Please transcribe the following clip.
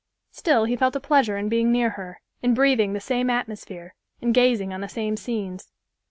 Still he felt a pleasure in being near her, in breathing the same atmosphere and gazing on the same scenes.